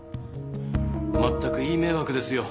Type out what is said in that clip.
まったくいい迷惑ですよ。